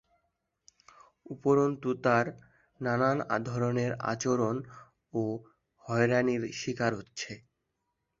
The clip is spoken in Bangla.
উপরন্তু তারা নানান ধরণের অত্যাচার ও হয়রানির শিকার হচ্ছে।